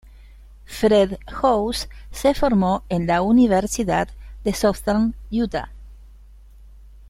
Fred House se formó en la Universidad de Southern Utah.